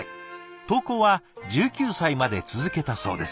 投稿は１９歳まで続けたそうです。